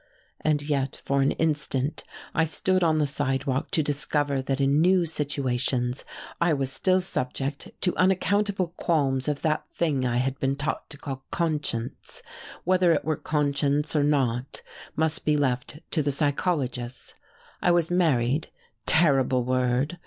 And yet for an instant I stood on the sidewalk to discover that in new situations I was still subject to unaccountable qualms of that thing I had been taught to call "conscience"; whether it were conscience or not must be left to the psychologists. I was married terrible word!